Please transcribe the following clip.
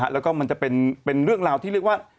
แล้วก็มันจะเป็นเรื่องราวที่เรียกว่า